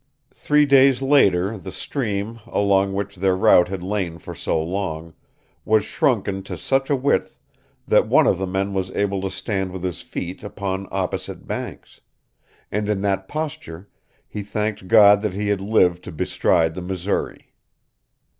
Three days later the stream, along which their route had lain for so long, was shrunken to such a width that one of the men was able to stand with his feet upon opposite banks; and in that posture he thanked God that he had lived to bestride the Missouri.